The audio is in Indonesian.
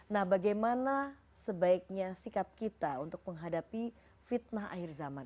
nah bagaimana sebaiknya sikap kita untuk menghadapi fitnah akhir zaman